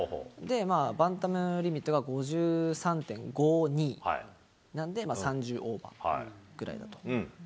バンタムリミットが５３．５２なんで、３０オーバーぐらいだと。